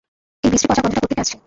এই বিশ্রী পচা গন্ধটা কোত্থেকে আসছে?